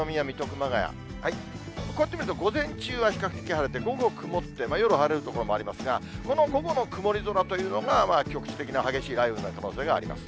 こうやって見ると、午前中は比較的晴れて、午後曇って、夜晴れる所もありますが、この午後の曇り空というのが、局地的な激しい雷雨になる可能性があります。